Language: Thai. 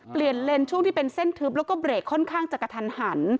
เปลี่ยนเลนส์ช่วงที่เป็นเส้นทึบแล้วก็เบรกค่อนข้างจะกระทันหัน